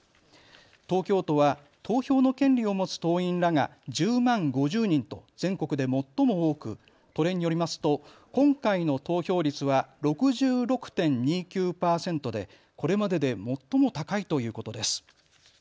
東京都は投票の権利を持つ党員らが１０万５０人と全国で最も多く、都連によりますと今回の投票率は６６．２９％でこれまでで最も高いということです。